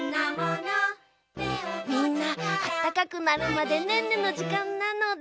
みんなあったかくなるまでねんねのじかんなのだ。